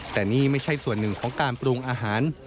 แต่นี่ไม่ใช่ส่วนหนึ่งของการปรุงอาหาร